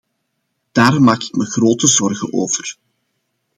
Daar maak ik me grote zorgen over.